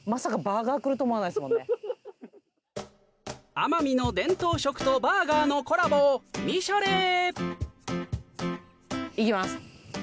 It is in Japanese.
奄美の伝統食とバーガーのコラボをみしょれいきます